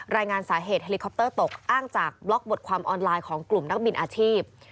รายงานสาเหตุเฮลิคอปเตอร์ตกอ้างจากบล็อกบทความออนไลน์ของกลุ่มนักบินอาชีพ